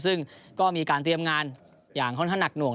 ซึ่งก็มีการเตรียมงานอย่างค่อนข้างหนักหน่วง